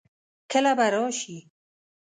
کله به راشي؟